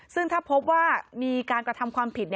ซึ่งถ้าพบว่ามีการกระทำความผิด